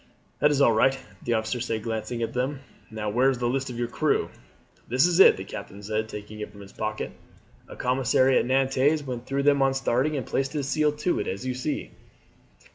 "That is all right," the officer said glancing at them; "now, where is the list of your crew?" "This is it," the captain said taking it from his pocket; "a commissary at Nantes went through them on starting and placed his seal to it, as you see."